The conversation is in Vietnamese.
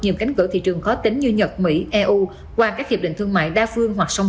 nhiều cánh cửa thị trường khó tính như nhật mỹ eu qua các hiệp định thương mại đa phương hoặc song